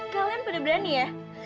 kalian pada berani ya